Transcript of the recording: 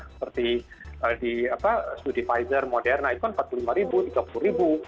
seperti di studi pfizer moderna itu kan empat puluh lima ribu tiga puluh ribu